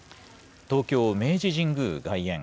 東京・明治神宮外苑。